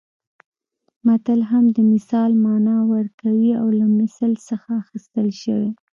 متل هم د مثال مانا ورکوي او له مثل څخه اخیستل شوی